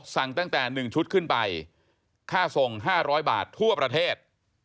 ตั้งแต่๑ชุดขึ้นไปค่าส่ง๕๐๐บาททั่วประเทศ